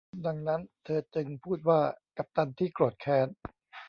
ดังนั้นเธอจึงพูดว่ากัปตันที่โกรธแค้น